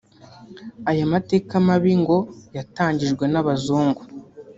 Aya mateka mabi ngo yatangijwe n’abazungu